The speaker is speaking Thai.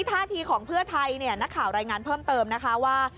ท่าทีของเพื่อไทยนักข่าวรายงานเพิ่มเติมนะคะว่า